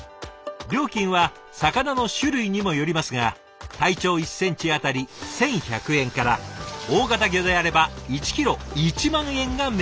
料金は魚の種類にもよりますが体長１センチ当たり１，１００円から大型魚であれば１キロ１万円が目安だそう。